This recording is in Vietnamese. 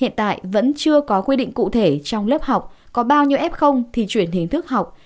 hiện tại vẫn chưa có quy định cụ thể trong lớp học có bao nhiêu f thì chuyển hình thức học